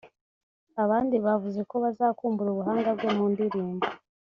Abandi bavuze ko bazakumbura ubuhanga bwe mu ndirimbo